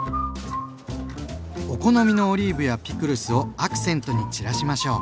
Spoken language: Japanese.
お好みのオリーブやピクルスをアクセントに散らしましょう。